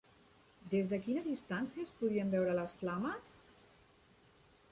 Des de quina distància es podien veure les flames?